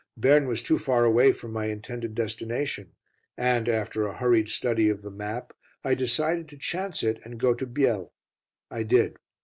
Berne was too far away from my intended destination, and, after a hurried study of the map, I decided to chance it, and go to Biel. I did.